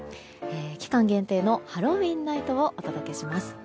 期間限定のハロウィーンナイトをお届けします。